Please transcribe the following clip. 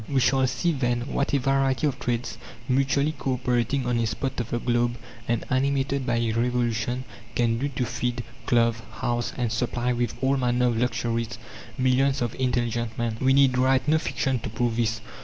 We shall see then what a variety of trades, mutually cooperating on a spot of the globe and animated by a revolution, can do to feed, clothe, house, and supply with all manner of luxuries millions of intelligent men. We need write no fiction to prove this.